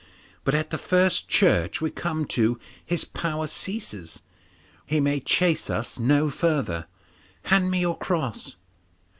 But at the first church we come to his power ceases; he may chase us no further. Hand me your cross.